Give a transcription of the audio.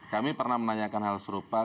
kami pernah menanyakan hal serupa